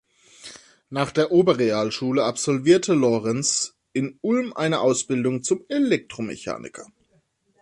Nach der Oberrealschule absolvierte Lorenz in Ulm eine Ausbildung zum Elektromechaniker.